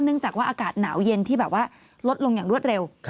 จากว่าอากาศหนาวเย็นที่แบบว่าลดลงอย่างรวดเร็ว